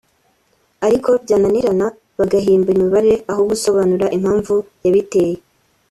ariko byananirana bagahimba imibare aho gusobanura impamvu yabiteye